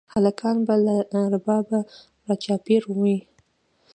هلکان به له ربابه راچاپېر وي